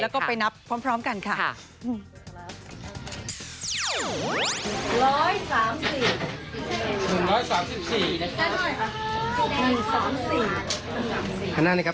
ต่อคนที่บอกว่าข้าวหน้านะคะ